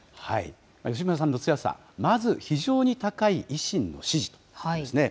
吉村さんの強さ、まず、非常に高い維新の支持ということですね。